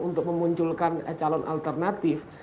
untuk memunculkan calon alternatif